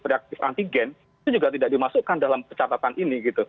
reaktif antigen itu juga tidak dimasukkan dalam catatan ini gitu